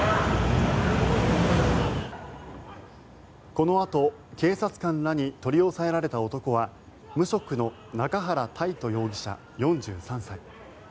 このあと警察官らに取り押さえられた男は無職の中原泰斗容疑者、４３歳。